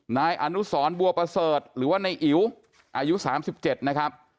นายอนุสรบัวประเสริฐหรือว่าในอิ๋วอายุสามสิบเจ็ดนะครับ